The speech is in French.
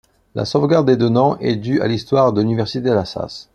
La sauvegarde des deux noms est due à l'histoire de l'université d'Assas.